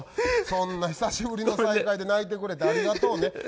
そんな久しぶりの再会で泣いてくれてありがとうね。